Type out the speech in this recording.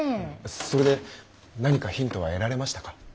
それで何かヒントは得られましたか？